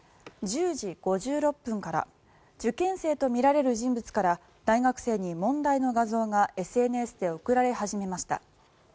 １０時５６分から受験生とみられる人物から大学生に問題の画像がＳＮＳで送られ始めました。